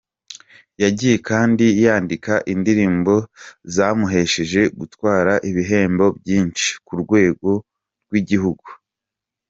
Yagiye kandi yandika indirimbo zamuhesheje gutwara ibihembo byinshi ku rwego rw’igihugu.